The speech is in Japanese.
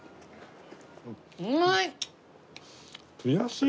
うまい！